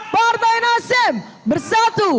partai nasdem bersatu